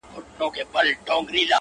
مُلا په ولاحول زموږ له کوره وو شړلی!